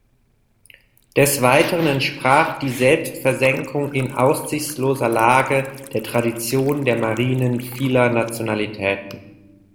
Des Weiteren entsprach die Selbstversenkung in aussichtsloser Lage der Tradition der Marinen vieler Nationalitäten.